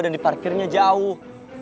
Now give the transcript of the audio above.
dan di parkirnya jauh